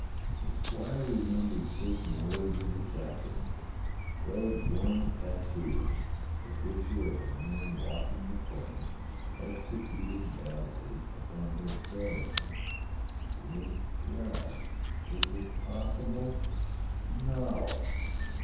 The squire remembered certain words of the captain: Clegg's one tattoo — the picture of a man walking the plank, executed badly upon his forearm. Good God! Was it possible.^ No!